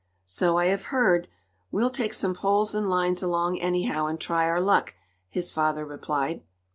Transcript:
"So I have heard. We'll take some poles and lines along, anyhow, and try our luck," his father replied.